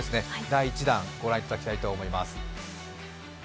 第１弾御覧いただきたいと思います。